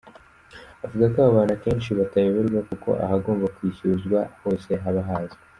Avuga ko aba bantu akenshi batayoberana kuko ahagomba kwishyuzwa hose haba hazwi.